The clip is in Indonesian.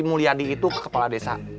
mulia di itu ke kepala desa